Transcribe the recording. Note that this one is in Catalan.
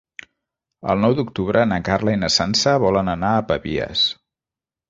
El nou d'octubre na Carla i na Sança volen anar a Pavies.